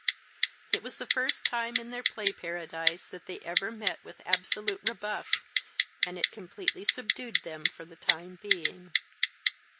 It was the first time in their play paradise that they ever met with absolute rebuff and it completely subdued them for the time being.